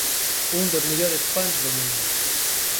Un dos mellores pans do mundo.